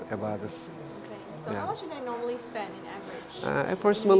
jadi bagaimana cara saya menghabiskan harga di awal